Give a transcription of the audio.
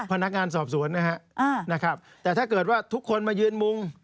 พนักงานสอบสวนนะฮะนะครับแต่ถ้าเกิดว่าทุกคนมายืนมุง